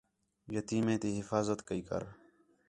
یتیمیں تی حفاظت کَئی کر